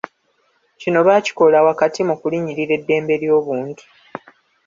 Kino baakikola wakati mu kulinnyirira eddembe ly'obuntu.